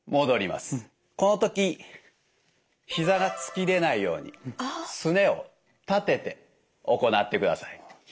この時ひざが突き出ないようにすねを立てて行ってください。